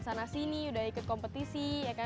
udah main sana sini udah ikut kompetisi